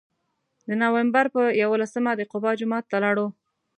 د نوامبر په یولسمه د قبا جومات ته لاړو.